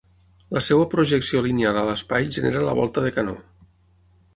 La seva projecció lineal a l'espai genera la volta de canó.